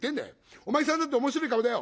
お前さんだっておもしろい顔だよ」。